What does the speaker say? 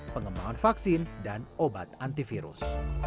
pengembangan vaksin dan obat antivirus